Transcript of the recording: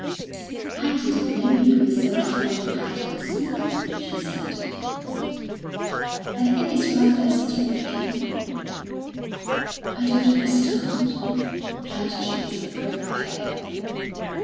"I didn't know you were so fond of hide and seek," she said, "I think it's rather a stupid game." "I don't understand," replied James, growing pale.